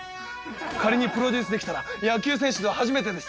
仮にプロデュースできたら野球選手では初めてです！